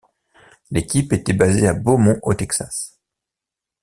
L'équipe était basée à Beaumont au Texas.